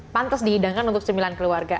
pantes dihidangkan untuk sembilan keluarga